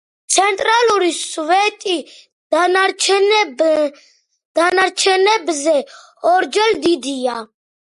ცენტრალური სვეტი დანარჩენებზე ორჯერ დიდია.